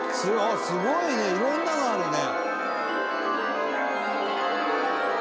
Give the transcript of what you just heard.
「すごいね！いろんなのあるね」